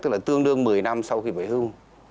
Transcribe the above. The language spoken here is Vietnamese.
tức là tương đương một mươi năm sau khi bể hưu